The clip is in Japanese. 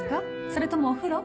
それともお風呂？